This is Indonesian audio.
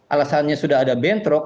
alasannya sudah ada bentrok